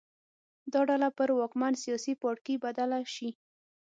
دا ډله پر واکمن سیاسي پاړکي بدله شي